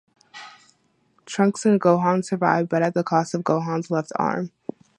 Trunks and Gohan survive, but at the cost of Gohan's left arm.